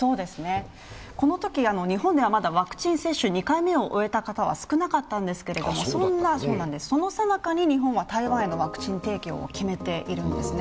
このとき日本ではまだワクチン接種２回目を終えた方は少なかったんですが、そのさなかに日本は台湾へのワクチン提供を決めているんですね。